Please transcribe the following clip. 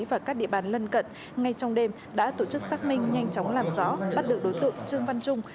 và các địa bàn lân cận ngay trong đêm đã tổ chức xác minh nhanh chóng làm rõ bắt được đối tượng trương văn trung